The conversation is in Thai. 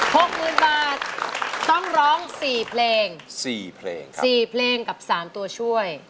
หกหมื่นบาทต้องร้องสี่เพลงสี่เพลงสี่เพลงกับสามตัวช่วย